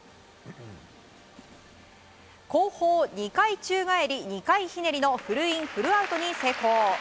後方２回宙返り２回ひねりのフルインフルアウトに成功。